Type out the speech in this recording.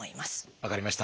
分かりました。